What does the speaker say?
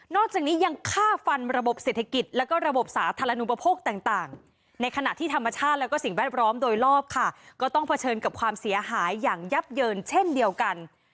จากนี้ยังฆ่าฟันระบบเศรษฐกิจแล้วก็ระบบสาธารณูปโภคต่างในขณะที่ธรรมชาติและสิ่งแวดล้อมโดยรอบค่ะก็ต้องเผชิญกับความเสียหายอย่างยับเยินเช่นเดียวกัน